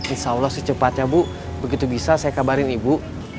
insya allah secepatnya bu begitu bisa saya kabarin ibu